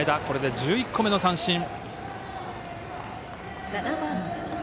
これで１１個目の三振。